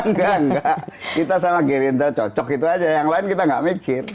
enggak enggak kita sama gerindra cocok itu aja yang lain kita nggak mikir